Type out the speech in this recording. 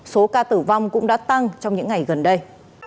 số ca tử vong cũng đã tăng trong những ngày gần đây